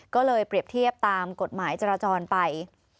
ก็เลยเปรียบเทียบตามกฎหมายจราจรไป